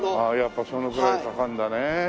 ああやっぱそのぐらいかかるんだね。